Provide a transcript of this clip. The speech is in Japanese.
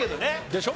でしょ？